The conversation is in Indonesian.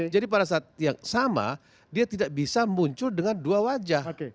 jadi pada saat yang sama dia tidak bisa muncul dengan dua wajah